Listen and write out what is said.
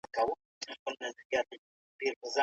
کمونيسټ روسيې ته ورسېد.